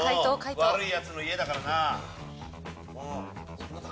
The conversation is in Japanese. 悪いヤツの家だからな。